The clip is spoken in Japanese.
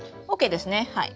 ＯＫですねはい。